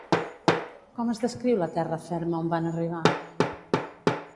Com es descriu la terra ferma on van arribar?